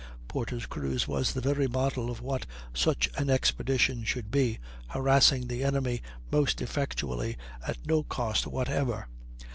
Porter's cruise was the very model of what such an expedition should be, harassing the enemy most effectually at no cost whatever.